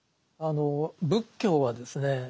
仏教はですね